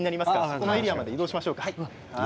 そのエリアまで移動しましょうか。